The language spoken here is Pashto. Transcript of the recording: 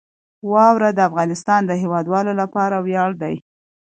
واوره د افغانستان د هیوادوالو لپاره ویاړ دی.